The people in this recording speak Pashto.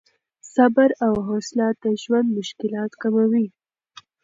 صبر او حوصله د ژوند مشکلات کموي.